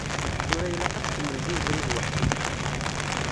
Tura ilaq ad tkemmleḍ i ubrid weḥd-k.